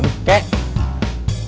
memang kakek biasa liwat sini